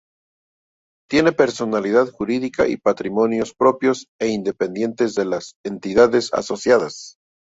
Tiene personalidad jurídica y patrimonios propios e independientes de las entidades asociadas.